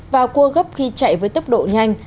vào cua gấp khi chạy với tốc độ nhanh